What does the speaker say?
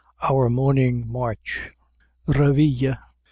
OUR MORNING MARCH REVEILLE.